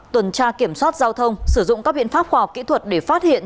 tuần tra kiểm soát giao thông sử dụng các biện pháp khoa học kỹ thuật để phát hiện